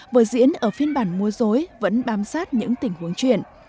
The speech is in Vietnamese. vở diễn ở phiên bản mua dối vẫn bám sát những tình huống chuyện